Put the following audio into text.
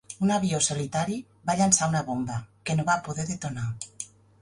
Un avió solitari va llançar una bomba, que no va poder detonar.